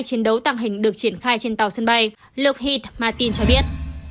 số tàng hình được triển khai trên tàu sân bay lockheed martin cho biết